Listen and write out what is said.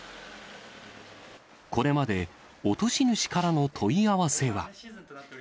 これまで落とし主からの問い合わせは。